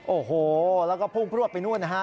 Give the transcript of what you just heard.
โอ้โหแล้วก็พุ่งพลวดไปนู่นนะฮะ